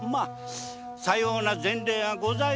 さような前例がございます